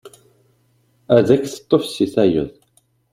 Ad ak-d-teṭṭef seg tayeḍ.